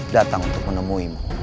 datang untuk menemuimu